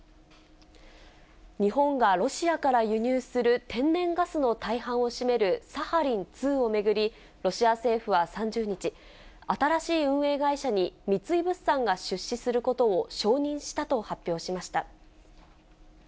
日本がロシアから輸入する天然ガスの大半を占めるサハリン２を巡り、ロシア政府は３０日、新しい運営会社に三井物産が出資することを承認したと発表しました。